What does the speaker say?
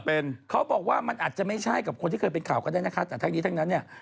เป็นเขาบอกว่ามันอาจจะไม่ใช่กับคนที่เคยเป็นข่าวก็ได้นะคะแต่ทั้งนี้ทั้งนั้นเนี่ย